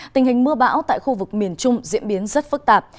tình hình mưa bão tại khu vực miền trung diễn biến rất phức tạp